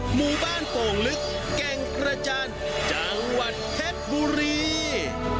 หมู่บ้านโป่งลึกแก่งกระจานจังหวัดเพชรบุรี